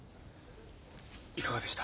いかがでした？